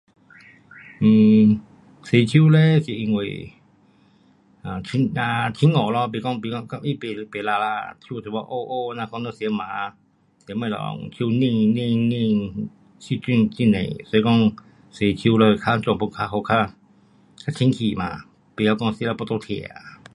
um 洗手嘞是因为，啊，清啊，清洁咯，不讲他不，不肮脏，手这款黑黑这样款吃饭，吃东西，手拎拎拎，细菌很多，是讲洗手了较怎样要较好，较清洁嘛。不会讲吃了肚子痛啊。